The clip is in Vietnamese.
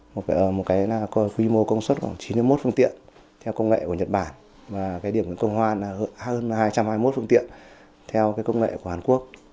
một quy mô công suất chín một phương tiện theo công nghệ của nhật bản và điểm của nguyễn công hoa là hơn hai trăm hai mươi một phương tiện theo công nghệ của hàn quốc